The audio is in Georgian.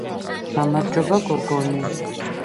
გამარჯობა გოგონი